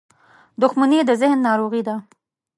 • دښمني د ذهن ناروغي ده.